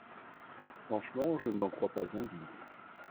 Franchement, je ne m’en crois pas indigne…